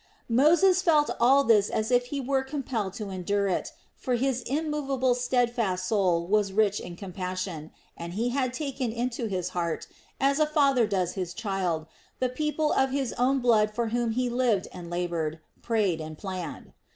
Moses felt all this as if he were himself compelled to endure it; for his immovably steadfast soul was rich in compassion, and he had taken into his heart, as a father does his child, the people of his own blood for whom he lived and labored, prayed and planned.